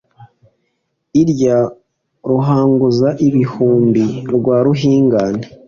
irya ruhanguza-bihumbi rwa ruhingane